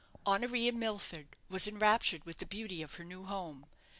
Honoria Milford was enraptured with the beauty of her new home.